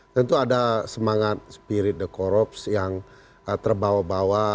tentu ada semangat spirit the corrups yang terbawa bawa